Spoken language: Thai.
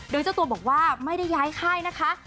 โดยเจ้าตัวบอกว่าไม่ได้ย้ายค่ายนะคะ